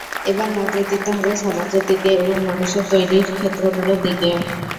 এবার নজর দিতে হবে সমাজের দিকে এবং মানুষ তৈরির ক্ষেত্রগুলোর দিকে।